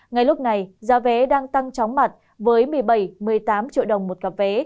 ngay lúc này giá vé đang tăng chóng mặt với một mươi bảy một mươi tám triệu đồng một cặp vé